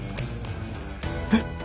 えっ。